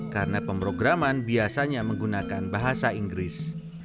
karena pemrograman biasanya menggunakan bahasa inggris